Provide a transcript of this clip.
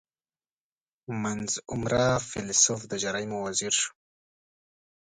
• منځ عمره فېلېسوف د جرایمو وزیر شو.